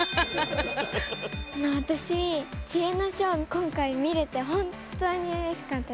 私知恵の書を今回見れて本当にうれしかったです。